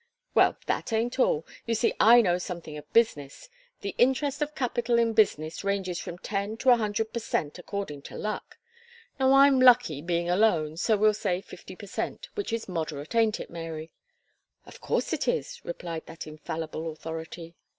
"Well, that ain't all. You see I know something of business. The interest of capital in business ranges from ten to a hundred per cent according to luck; now I am lucky being alone, so we'll say fifty per cent, which is moderate, ain't it, Mary?" "Of course it is," replied that infallible authority.